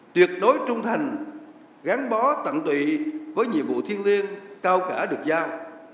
tuyệt đối trung thành gắn bó tặng tụy với nhiệm vụ thiên liêng cao cả được giao